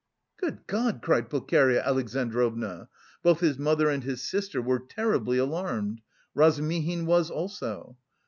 "Good God!" cried Pulcheria Alexandrovna. Both his mother and his sister were terribly alarmed. Razumihin was also.